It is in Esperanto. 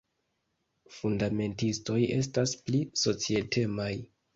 fundamentistoj estas pli societemaj.